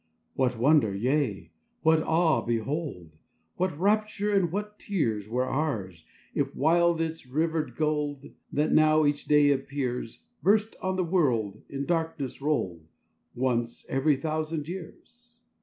What wonder, yea! what awe, behold! What rapture and what tears Were ours, if wild its rivered gold, That now each day appears, Burst on the world, in darkness rolled, Once every thousand years!